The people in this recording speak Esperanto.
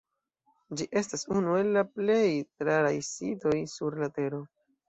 Ĝi estas unu el la plej raraj sitoj sur la tero.